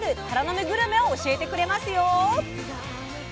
タラの芽グルメを教えてくれますよ！